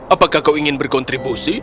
apakah kau ingin berkontribusi